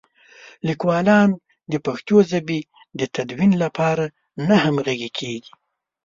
لیکوالان د پښتو ژبې د تدوین لپاره نه همغږي کېږي.